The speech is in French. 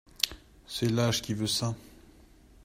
C’est l’âge qui veut ça !